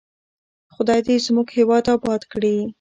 خدای دې زموږ هېواد اباد کړي.